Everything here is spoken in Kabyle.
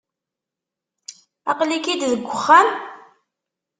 Aql-ik-id deg uxxam?